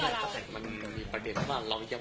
เรายังไม่ปิดบัญชีหรอบริจาค